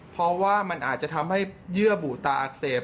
เพราะว่ามันอาจจะทำให้เยื่อบุตาอักเสบ